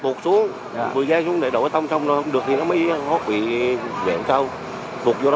tụt xuống bùi ra xuống để đổ tông xong rồi không được thì nó mới bị vẹn cao tụt vô đó